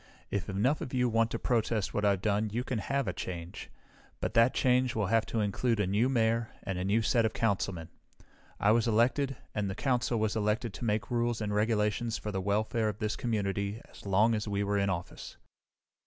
If enough of you want to protest what I've done you can have a change, but that change will have to include a new mayor and a new set of councilmen. I was elected, and the Council was elected to make rules and regulations for the welfare of this community as long as we were in office.